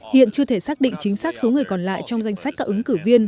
hiện chưa thể xác định chính xác số người còn lại trong danh sách các ứng cử viên